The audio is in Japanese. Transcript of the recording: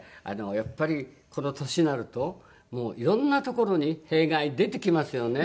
やっぱりこの年になるともういろんなところに弊害出てきますよね。